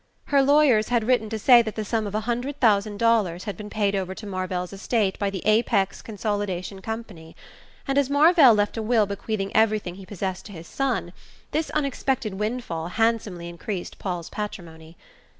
Her lawyers had written to say that the sum of a hundred thousand dollars had been paid over to Marvell's estate by the Apex Consolidation Company; and as Marvell had left a will bequeathing everything he possessed to his son, this unexpected windfall handsomely increased Paul's patrimony.